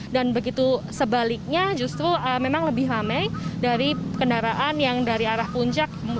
dan begitu sebaliknya justru memang lebih ramai dari kendaraan yang dari arah puncak